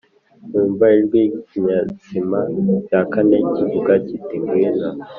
numva ijwi ry’ikizima cya kane kivuga kiti “Ngwino.”